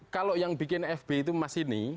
kalau yang bikin fb itu mas ini